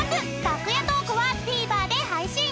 楽屋トークはＴＶｅｒで配信。